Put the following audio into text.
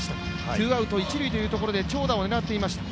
ツーアウト、一塁というところで長打を狙っていました。